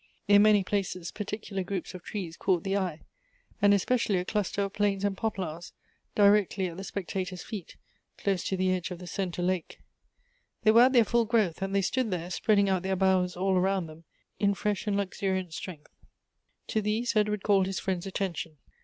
In many places particular groups of trees caught the eye; and especially a cluster of i)lanes and poplars directly at the spectator's feet, close 24 Goethe's to the edge of the centre lake. They were at their ftill growth, and they stood there, spreading out their boughs all around them, in fresh and luxuriant strength. To these Edward called'his friend's attention.